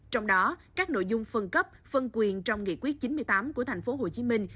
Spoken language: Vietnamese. trong đó các nội dung phân cấp phân quyền trong nghị quyết chín mươi tám của thành phố hồ chí minh